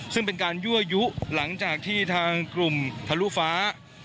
ซึ่งเป็นการยั่วยุหลังจากที่ทางกลุ่มทะลุฟ้า